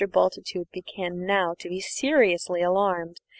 Bultitude began now to be seriously alarmed.